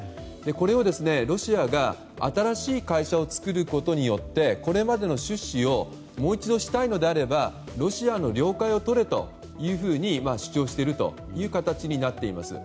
これをロシアが新しい会社を作ることによってこれまでの出資をもう一度したいのであればロシアの了解をとれと主張しているという形になっています。